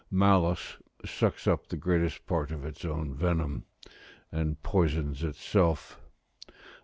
Malice sucks up the greatest part of its own venom, and poisons itself.